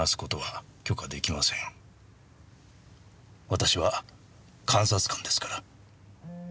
私は監察官ですから。